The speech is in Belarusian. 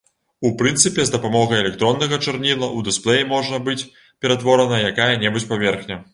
У прынцыпе, з дапамогай электроннага чарніла ў дысплей можа быць ператвораная якая-небудзь паверхня.